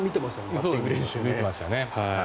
バッティング練習見てましたね。